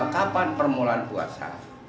kapan permulaan puasa